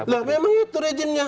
lah memang itu rejennya